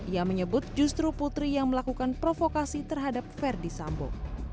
ia menyebut justru putri yang melakukan provokasi terhadap verdi sambo